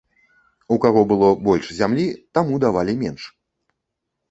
У каго было больш зямлі, таму давалі менш.